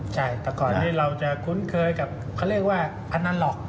ใช่แต่ก่อนนี้เราจะคุ้นเคยกับเขาเรียกว่าพนันหรอก